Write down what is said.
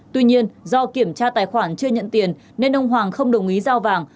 tuy nhiên do kiểm tra tài khoản chưa nhận tiền nên ông hoàng không đồng ý giao vàng